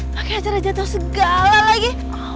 pakai acara jatuh segala lagi